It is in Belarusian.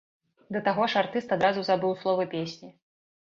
Да таго ж, артыст адразу забыў словы песні.